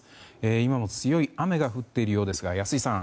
今も強い雨が降っているようですが安井さん